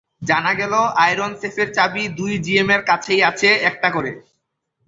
জানা গেল, আয়রন সেফের চাবি দুই জিএমের কাছেই আছে, একটা করে।